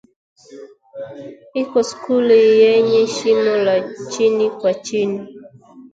Iko skuli yenye shimo la chini kwa chini